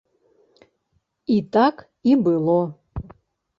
І так і было.